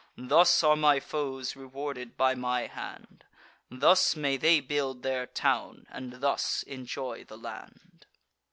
Thus are my foes rewarded by my hand; Thus may they build their town, and thus enjoy the land!"